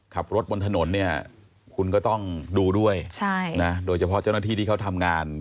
ขับรถบนถนนเนี่ยคุณก็ต้องดูด้วยโดยเฉพาะเจ้าหน้าที่ที่เขาทำงาน